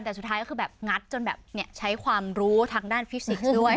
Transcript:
แต่สุดท้ายก็คือแบบงัดจนแบบใช้ความรู้ทางด้านฟิสิกส์ด้วย